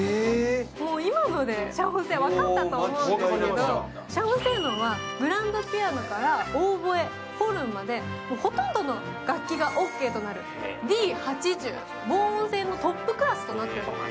もう今ので遮音性、分かったと思うんですけど、遮音性能はグランドピアノからオーボエ、ホルンまで、ほとんどの楽器までオーケーになるＤ−８０の防音性のトップクラスとなっております。